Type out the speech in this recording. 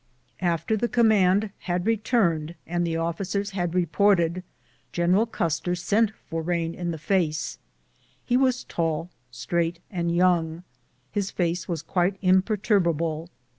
After the command had returned and the officers had reported. General Custer sent for Rain in the face. He was tall, straight, and young. His face was quite imperturbable.